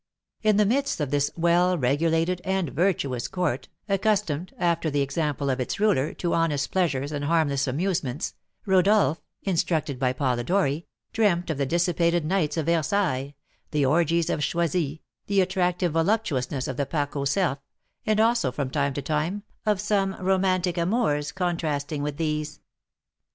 In the midst of this well regulated and virtuous court, accustomed, after the example of its ruler, to honest pleasures and harmless amusements, Rodolph, instructed by Polidori, dreamt of the dissipated nights of Versailles, the orgies of Choisy, the attractive voluptuousness of the Parc au Cerfs, and also, from time to time, of some romantic amours contrasting with these.